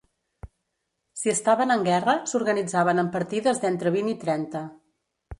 Si estaven en guerra, s'organitzaven en partides d'entre vint i trenta.